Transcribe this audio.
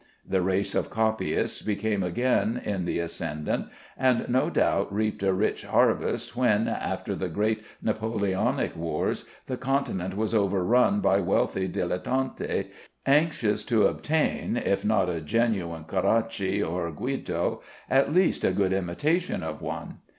The race of copyists became again in the ascendant, and no doubt reaped a rich harvest when, after the great Napoleonic wars, the Continent was overrun by wealthy dilettanti anxious to obtain (if not a genuine Caracci or Guido) at least a good imitation of one.